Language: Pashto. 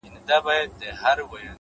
هوښیار انسان د اورېدو فرصت نه بایلي’